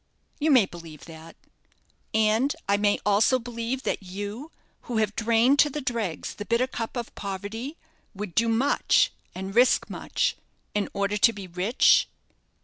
"You may believe that." "And I may also believe that you, who have drained to the dregs the bitter cup of poverty, would do much, and risk much, in order to be rich?"